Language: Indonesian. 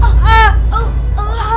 mau bangun saya mau keluar